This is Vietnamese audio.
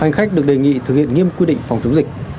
hành khách được đề nghị thực hiện nghiêm quy định phòng chống dịch